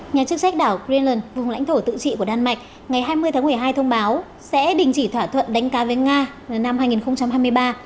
nhà chức trách đảo crenland vùng lãnh thổ tự trị của đan mạch ngày hai mươi tháng một mươi hai thông báo sẽ đình chỉ thỏa thuận đánh cá với nga vào năm hai nghìn hai mươi ba